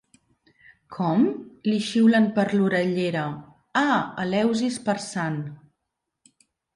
Com? —li xiulen per l'orellera– Ah, Eleusis per Sant